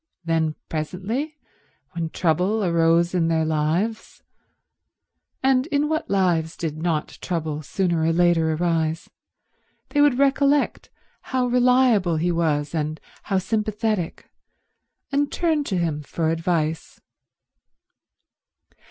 Then presently when trouble arose in their lives—and in what lives did not trouble sooner or later arise?—they would recollect how reliable he was and how sympathetic, and turn to him for advice.